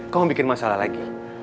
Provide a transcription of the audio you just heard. kamu bikin masalah lagi